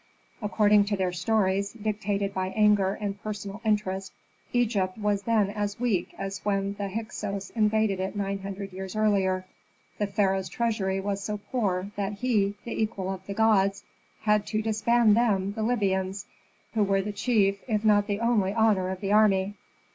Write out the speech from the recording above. According to their stories, dictated by anger and personal interest, Egypt was then as weak as when the Hyksos invaded it nine hundred years earlier. The pharaoh's treasury was so poor that he, the equal of the gods, had to disband them, the Libyans, who were the chief, if not the only honor of the army.